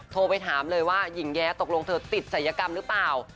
โทรไปถามเลยว่าหญิงแย้ตกลงเธอติดศัยกรรมหรือเปล่า